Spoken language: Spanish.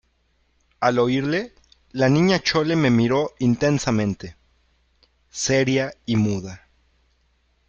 al oírle, la Niña Chole me miró intensamente , seria y muda.